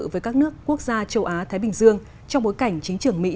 với các nước quốc gia châu á thái bình dương trong bối cảnh chính trường mỹ